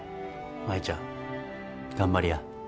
舞ちゃん頑張りや。